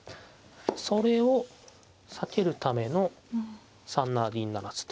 それを避けるための３七銀不成と。